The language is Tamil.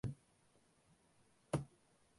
வண்டியும் ஒடிக் கொண்டிருந்தது.